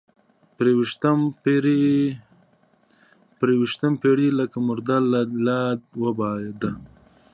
پرې ويستم پيرۍ لکه مرده لۀ لاد وباده